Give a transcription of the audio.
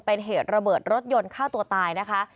เป็นเหตุระเบิดรถยนต์ฆ่าตัวตายนะคะ